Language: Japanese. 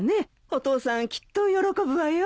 お父さんきっと喜ぶわよ。